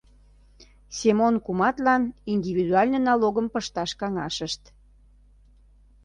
Семон куматлан индивидуальный налогым пышташ каҥашышт.